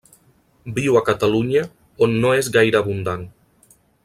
Viu a Catalunya on no és gaire abundant.